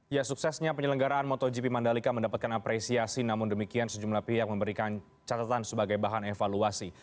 ya suksesnya penyelenggaraan motogp mandalika mendapatkan apresiasi namun demikian sejumlah pihak memberikan catatan sebagai bahan evaluasi